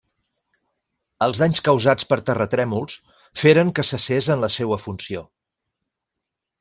Els danys causats per terratrèmols feren que cessés en la seua funció.